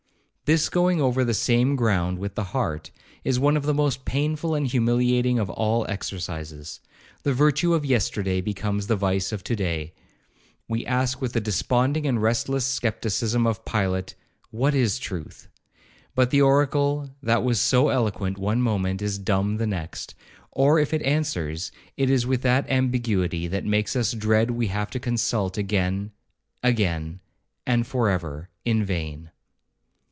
This going over the same ground with the heart, is one of the most painful and humiliating of all exercises; the virtue of yesterday becomes the vice of to day; we ask with the desponding and restless scepticism of Pilate, 'What is truth?' but the oracle that was so eloquent one moment, is dumb the next, or if it answers, it is with that ambiguity that makes us dread we have to consult again—again—and for ever—in vain.